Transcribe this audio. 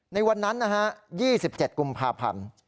ในวันนั้นนะฮะ๒๗กุมภาพันธ์